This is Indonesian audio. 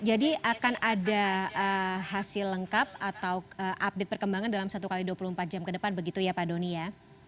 jadi akan ada hasil lengkap atau update perkembangan dalam satu x dua puluh empat jam ke depan begitu ya pak doni ya